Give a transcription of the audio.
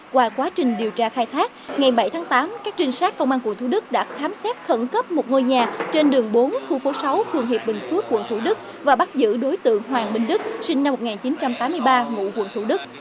qua quá trình điều tra khai thác ngày bảy tháng tám các trinh sát công an quận thú đức đã khám xét khẩn cấp một ngôi nhà trên đường bốn khu phố sáu phường hiệp bình phước quận thủ đức và bắt giữ đối tượng hoàng minh đức sinh năm một nghìn chín trăm tám mươi ba ngụ quận thủ đức